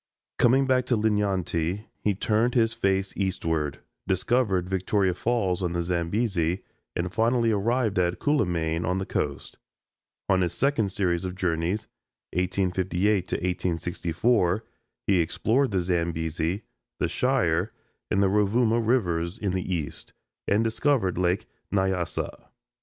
Coming back to Linyanti, he turned his face eastward, discovered Victoria Falls on the Zambesi, and finally arrived at Cuilimane on the coast. On his second series of journeys (1858 1864) he explored the Zambesi, the Shire, and the Rovuma rivers in the East, and discovered Lake Nyasa.